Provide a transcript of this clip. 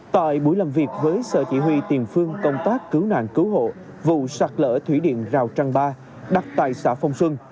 tại buổi làm việc với sở chỉ huy tiền phương công tác cứu nạn cứu hộ vụ sạt lở thủy điện giao trang ba đặt tại xã phong xuân